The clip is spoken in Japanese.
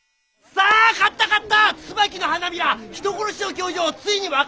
さあ買った買った！